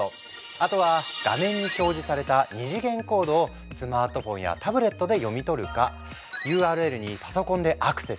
あとは画面に表示された二次元コードをスマートフォンやタブレットで読み取るかＵＲＬにパソコンでアクセス！